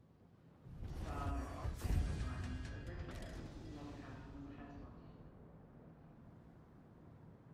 His father, Edward Pyne, was a bricklayer; his mother, Catherine, was a housewife.